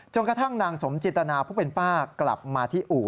กระทั่งนางสมจิตนาผู้เป็นป้ากลับมาที่อู่